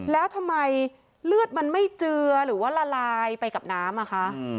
แล้วทำไมเลือดมันไม่เจือหรือว่าละลายไปกับน้ำอ่ะคะ